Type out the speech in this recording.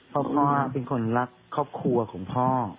เพราะพ่อเป็นคนรักครอบครัวของพ่อ